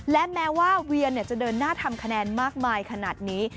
และแม้ว่าเวียจะเดินหน้าทำคะแนนมากมายขนาดนี้